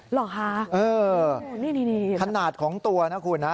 หรอคะนี่คันหนาดของตัวนะคุณ